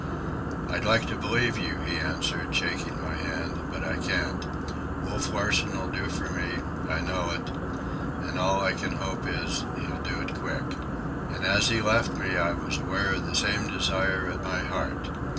"I'd like to believe you," he answered, shaking my hand, "but I can't. Wolf Larsen 'll do for me, I know it; and all I can hope is, he'll do it quick." And as he left me I was aware of the same desire at my heart.